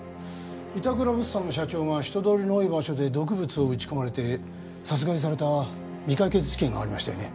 板倉物産の社長が人通りの多い場所で毒物をうち込まれて殺害された未解決事件がありましたよね？